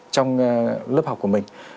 trong lớp học của mình